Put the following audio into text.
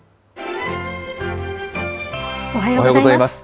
おはようございます。